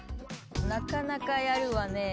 なかなかやるわね。